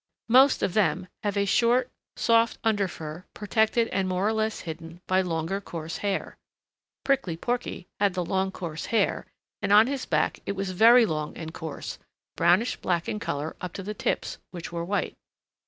Most of them have a soft, short under fur protected and more or less hidden by longer, coarser hair. Prickly Porky had the long coarse hair and on his back it was very long and coarse, brownish black in color up to the tips, which were white.